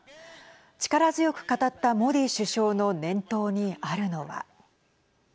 力強く語ったモディ首相の念頭にあるのは。